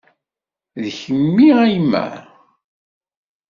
D kemmi a yemma?